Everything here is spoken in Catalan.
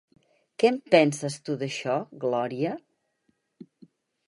Què en penses tu d'això, Gloria?